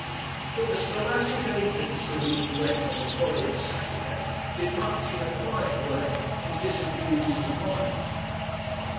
But the scholastic agents to whom he went on the following Saturday did much in a quiet way to disabuse his mind.